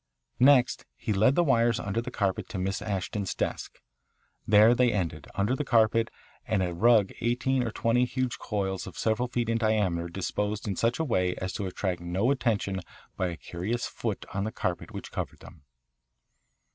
Next he led the wires under the carpet to Miss Ashton's desk. There they ended, under the carpet and a rug, eighteen or twenty huge coils several feet in diameter disposed in such a way as to attract no attention by a curious foot on the carpet which covered them.